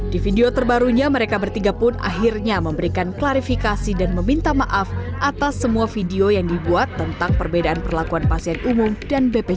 di video terbarunya mereka bertiga pun akhirnya memberikan klarifikasi dan meminta maaf atas semua video yang dibuat tentang perbedaan perlakuan pasien umum dan bpjs